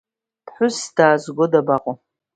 Ԥҳәыс даазго дабаҟоу?